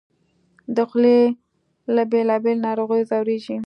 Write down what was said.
د خولې له بېلابېلو ناروغیو ځورېږي